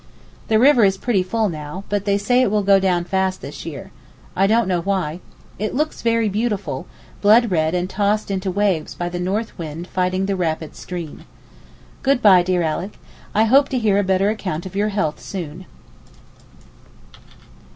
The river is pretty full now, but they say it will go down fast this year. I don't know why. It looks very beautiful, blood red and tossed into waves by the north wind fighting the rapid stream. Good bye dear Alick, I hope to hear a better account of your health soon.